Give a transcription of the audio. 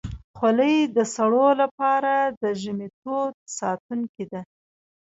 خولۍ د سړو لپاره د ژمي تود ساتونکی ده.